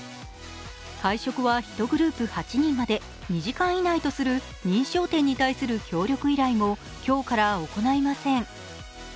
会食は１グループ８人まで２時間以内とする認証店に対する協力依頼も今日から行いません。